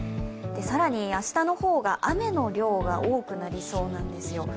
更に明日の方が雨の量が多くなりそうなんですよ。